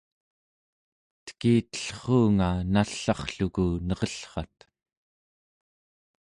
tekitellruunga nall'arrluku nerellrat